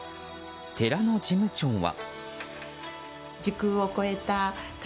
寺の事務長は。